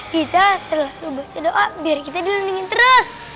kita selalu baca doa biar kita lindungin terus